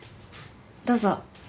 どうぞ。